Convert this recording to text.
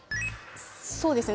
そうですね